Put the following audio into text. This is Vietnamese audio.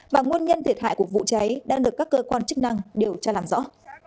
và nguồn nhân thiệt hại của vụ cháy đang được các cơ quan chức năng điều tra làm rõ